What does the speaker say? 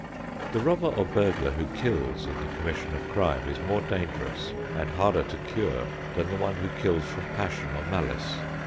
The robber or burglar who kills in the commission of crime is more dangerous and harder to cure than the one who kills from passion or malice.